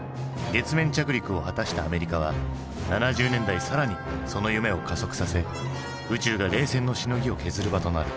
月面着陸を果たしたアメリカは７０年代更にその夢を加速させ宇宙が冷戦のしのぎを削る場となる。